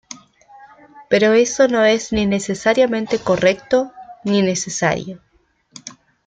Pero eso no es ni necesariamente correcto ni necesario.